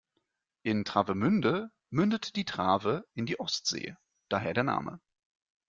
In Travemünde mündet die Trave in die Ostsee, daher der Name.